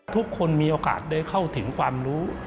ทุกคนมีโอกาสได้เข้าถึงความรู้